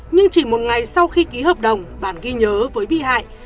nhưng chỉ một ngày sau khi ký hợp đồng bản ghi nhớ với bị hại